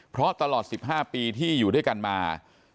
เพราะตลอด๑๕ปีที่อยู่ด้วยกันมา